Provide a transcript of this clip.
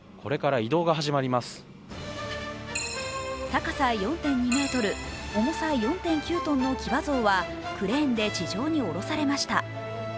高さ４．２ｍ、重さ４．９ｔの騎馬像はクレーンで地上に下ろされました。